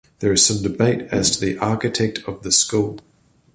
There is some debate as to the architect of the school.